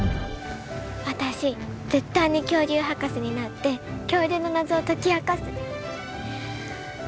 私絶対に恐竜博士になって恐竜の謎を解き明かす！